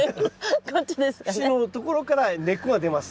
節のところから根っこが出ます。